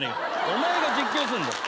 お前が実況すんだよ。